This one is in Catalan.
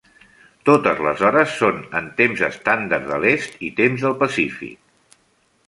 Totes les hores són en Temps Estàndard de l'est i Temps del Pacífic.